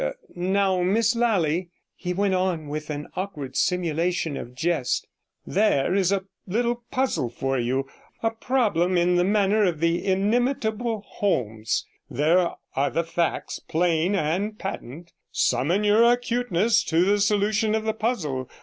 Now, Miss Lally,' he went on with an awkward simulation of jest, 'there is a little puzzle for you; a problem in the manner of the inimitable Holmes; there are the facts, plain and patent: summon your acuteness to the solution of the puzzle.